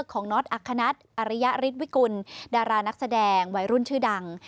ของนอร์ดอักษณัตย์อริยาริสต์วิกุลดารานักแสดงวัยรุ่นชื่อดัง